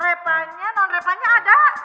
repanya non repanya ada